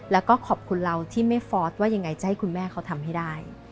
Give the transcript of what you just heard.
แล้วก็ขอบคุณเราที่ไม่ฟอสว่ายังไงจะให้คุณแม่เขาทำให้ได้